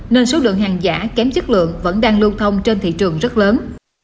nên số lượng hàng giả kém chất lượng vẫn đang lưu thông trên thị trường rất lớn